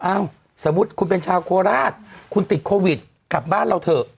สมมุติคุณเป็นชาวโคราชคุณติดโควิดกลับบ้านเราเถอะ